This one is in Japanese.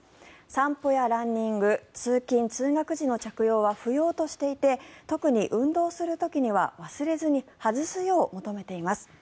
散歩やランニング通勤・通学時の着用は不要としていて特に運動する時には忘れずに外すよう求めています。